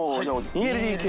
２ＬＤＫ。